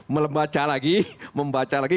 membaca lagi membaca lagi